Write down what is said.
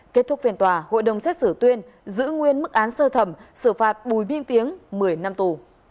kết thúc phiên tòa hội đồng xét xử tuyên giữ nguyên mức án sơ thẩm xử phạt bùi minh tiếng một mươi năm tù